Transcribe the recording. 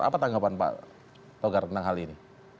apa tanggapan pak togar tentang hal ini